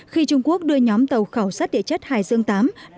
khi trung quốc đưa nhóm tàu khảo sát địa chất hải dương viii